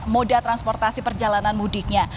moda transportasi perjalanan mudiknya